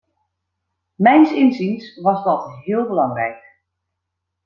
Mijns inziens was dat heel belangrijk.